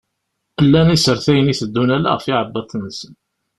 Llan isertayen iteddun ala ɣef yiɛebbaḍ-sen.